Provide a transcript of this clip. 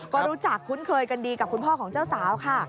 ก็รู้จักคุ้นเคยกันดีกับคุณพ่อของเจ้าสาวค่ะ